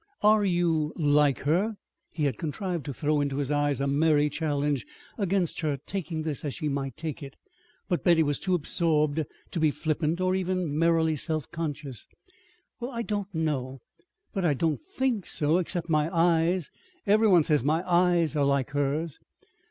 "Are you like her?" He had contrived to throw into his eyes a merry challenge against her taking this as she might take it. But Betty was too absorbed to be flippant, or even merrily self conscious. "Why, I don't know, but I don't think so except my eyes. Every one says my eyes are like hers."